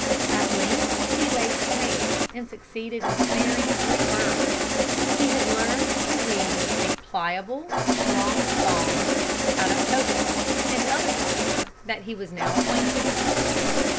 At length he laid snares and succeeded in snaring three birds. He had learned to weave a pliable, strong thong out of cocoa and other fibre that he was now acquainted with.